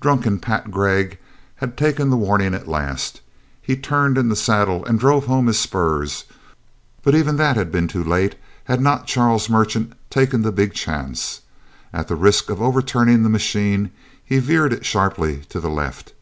Drunken Pat Gregg had taken the warning at last. He turned in the saddle and drove home his spurs, but even that had been too late had not Charles Merchant taken the big chance. At the risk of overturning the machine he veered it sharply to the left.